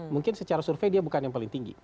mungkin secara survei dia bukan yang paling tinggi